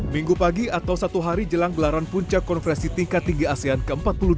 minggu pagi atau satu hari jelang gelaran puncak konferensi tingkat tinggi asean ke empat puluh dua